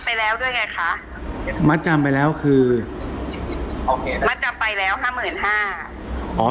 ไปแล้วด้วยไงคะมจัมไปแล้วคือมจัมไปแล้วห้าหมื่นห้า